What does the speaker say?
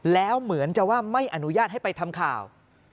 แล้วเหมือนจะว่าไม่อนุญาตให้ไปทำข่าว